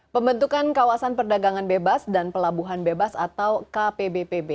pembentukan kawasan perdagangan bebas dan pelabuhan bebas atau kpbpb